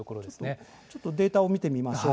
ちょっとデータを見てみましょう。